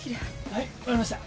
はい分かりました。